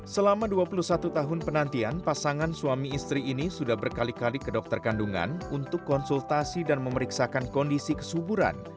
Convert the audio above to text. selama dua puluh satu tahun penantian pasangan suami istri ini sudah berkali kali ke dokter kandungan untuk konsultasi dan memeriksakan kondisi kesuburan